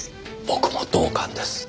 僕も同感です。